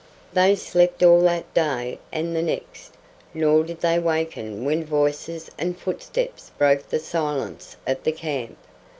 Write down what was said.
They slept all that day and the next, nor did they waken when voices and footsteps broke the silence of the camp.